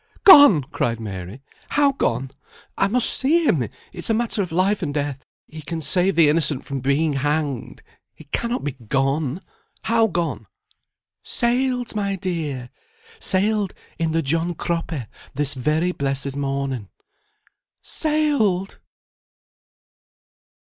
"Gone!" cried Mary. "How gone? I must see him, it's a matter of life and death: he can save the innocent from being hanged, he cannot be gone, how gone?" "Sailed, my dear! sailed in the John Cropper this very blessed morning." "Sailed!"